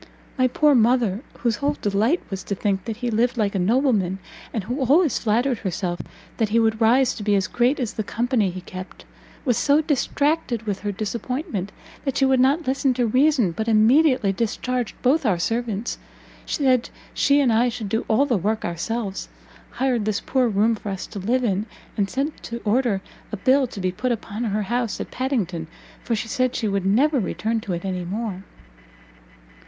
My poor mother, whose whole delight was to think that he lived like a nobleman, and who always flattered herself that he would rise to be as great as the company he kept, was so distracted with her disappointment, that she would not listen to reason, but immediately discharged both our servants, said she and I should do all the work ourselves, hired this poor room for us to live in, and sent to order a bill to be put upon her house at Padington, for she said she would never return to it any more."